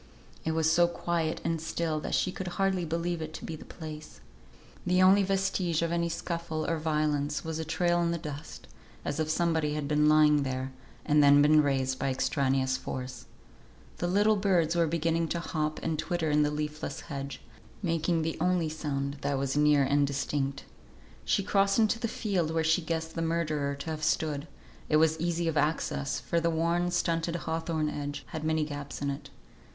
It was so quiet and still that she could hardly believe it to be the place. The only vestige of any scuffle or violence was a trail on the dust, as if somebody had been lying there, and then been raised by extraneous force. The little birds were beginning to hop and twitter in the leafless hedge, making the only sound that was near and distinct. She crossed into the field where she guessed the murderer to have stood; it was easy of access, for the worn, stunted hawthorn hedge had many gaps in it.